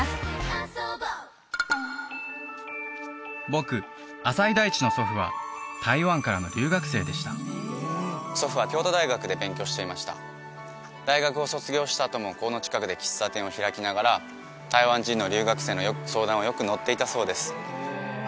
僕朝井大智の祖父は台湾からの留学生でした祖父は京都大学で勉強していました大学を卒業したあともこの近くで喫茶店を開きながら台湾人の留学生の相談によくのっていたそうです